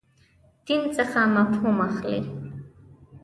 دین څخه مفهوم اخلئ.